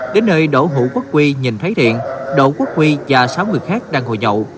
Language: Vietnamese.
đến nơi đỗ hữu quốc huy nhìn thấy thiện đỗ quốc huy và sáu người khác đang ngồi nhậu